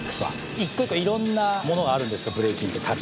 一個一個いろんなものがあるんですけどブレイキンって。